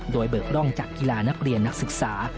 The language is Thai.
โดยเบิกร่องจากกีฬานักเรียนนักศึกษา